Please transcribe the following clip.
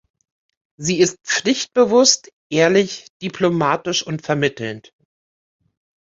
Sie ist pflichtbewusst, ehrlich, diplomatisch und vermittelnd.